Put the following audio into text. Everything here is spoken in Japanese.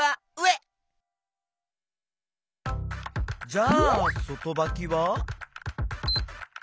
じゃあそとばきは？